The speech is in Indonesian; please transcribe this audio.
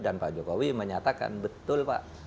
dan pak jokowi menyatakan betul pak